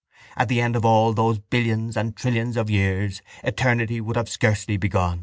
At the end of all those billions and trillions of years eternity would have scarcely begun.